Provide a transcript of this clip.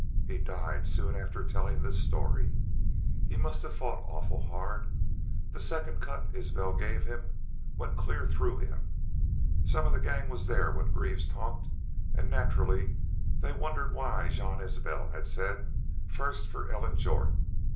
He died soon after tellin' this story. He must hev fought awful hard. Thet second cut Isbel gave him went clear through him.... Some of the gang was thar when Greaves talked, an' naturally they wondered why Jean Isbel had said 'first for Ellen Jorth.'